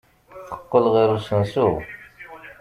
Teqqel ɣer usensu.